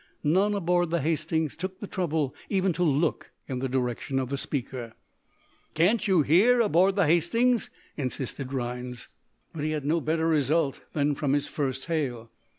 None aboard the "Hastings" took the trouble even to look in the direction of the speaker. "Can't you hear, aboard the 'Hastings'?" insisted Rhinds. But he had no better result than from his first hail.